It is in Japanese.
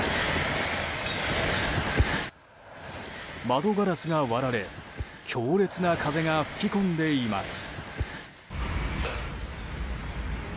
窓ガラスが割られ強烈な風が吹き込んでいます。